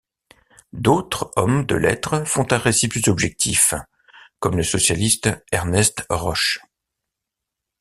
D’autres hommes de lettres font un récit plus objectif, comme le socialiste Ernest Roche.